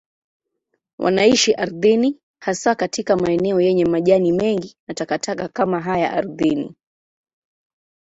Wanaishi ardhini, haswa katika maeneo yenye majani mengi na takataka kama haya ardhini.